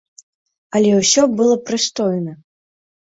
Але ўсё было прыстойна.